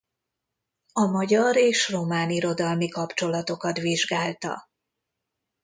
A magyar és román irodalmi kapcsolatokat vizsgálta.